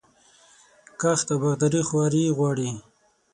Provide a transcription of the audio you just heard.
کښت او باغداري خواري غواړي.